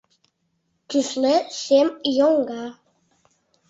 Кӱсле сем йоҥга.